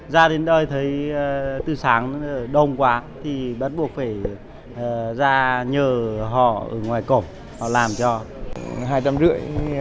ra đến đây thấy từ sáng đông quá thì bắt buộc phải ra nhờ họ ở ngoài cổ họ làm cho